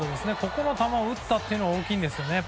この球を打ったのが大きいんですよね。